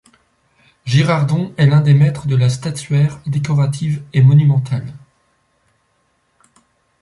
Girardon est l'un des maîtres de la statuaire décorative et monumentale.